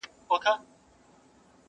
هغه کيسې د تباهيو، سوځېدلو کړلې؛